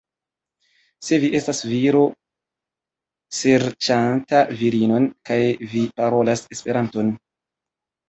Se vi estas viro serĉanta virinon, kaj vi parolas Esperanton.